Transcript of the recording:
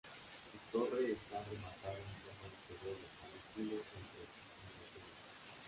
Su torre está rematada en forma de cebolla, al estilo centroeuropeo.